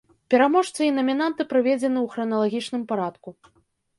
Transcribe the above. Пераможцы і намінанты прыведзены ў храналагічным парадку.